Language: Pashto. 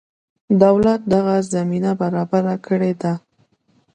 دولت دغه زمینه برابره کړې ده.